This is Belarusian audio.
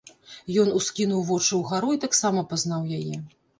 Ён ускінуў вочы ўгару і таксама пазнаў яе.